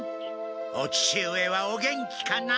お父上はお元気かな？